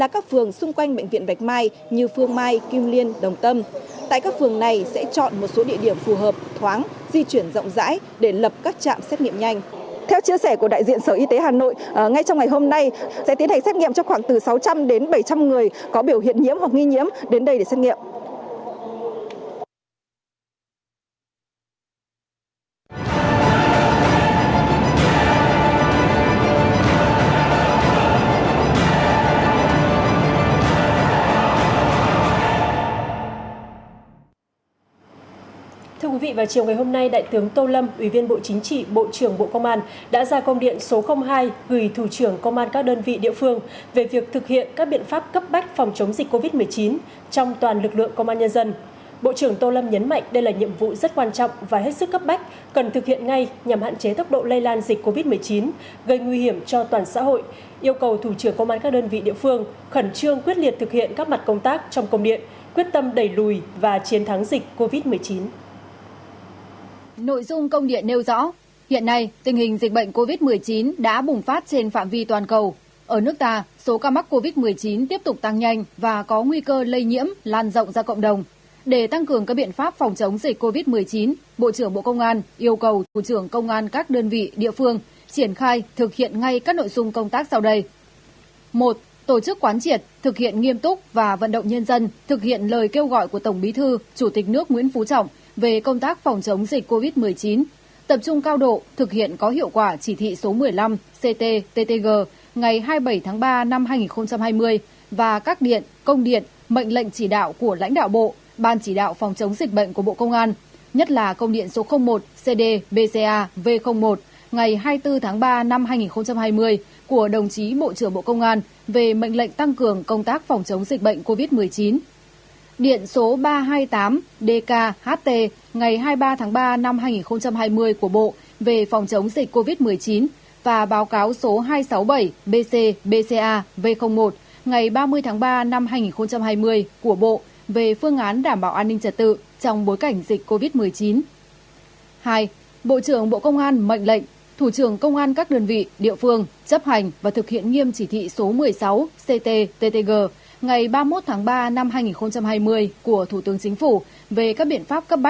bốn công an các đơn vị địa phương chỉ tổ chức tiếp công dân để giải quyết các mặt công tác công an khi thực sự cấp bách phòng chống dịch covid một mươi chín nhất là xử lý nghiêm các trường hợp vi phạm chỉ thị số một mươi sáu ctttg ngày ba mươi một tháng ba năm hai nghìn hai mươi của thủ tướng chính phủ về các biện pháp cấp bách phòng chống dịch covid một mươi chín nhất là xử lý nghiêm các trường hợp vi phạm chỉ thị số một mươi sáu ctttg ngày ba mươi một tháng ba năm hai nghìn hai mươi của thủ tướng chính phủ về các biện pháp cấp bách phòng chống dịch covid một mươi chín nhất là xử lý nghiêm các trường hợp vi phạm chỉ thị số một mươi sáu ctttg ngày ba mươi một tháng ba năm hai nghìn hai mươi của thủ tướng chính ph